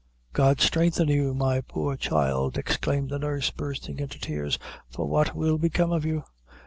"God strengthen you, my poor child," exclaimed the nurse, bursting into tears; "for what will become of you?